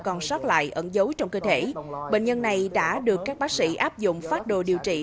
còn sót lại ẩn dấu trong cơ thể bệnh nhân này đã được các bác sĩ áp dụng phát đồ điều trị